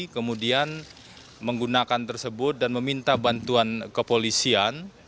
kemudian menggunakan tersebut dan meminta bantuan kepolisian